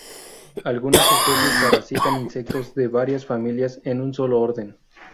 Algunas especies parasitan insectos de varias familias en un solo orden.